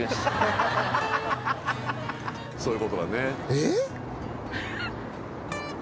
えっ？